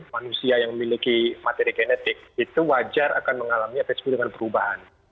manusia yang memiliki materi genetik itu wajar akan mengalami apa yang disebut dengan perubahan